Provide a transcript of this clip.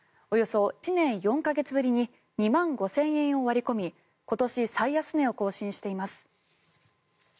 およそ１年４か月ぶりに２万５０００円を割り込み今年最安値を更新しています。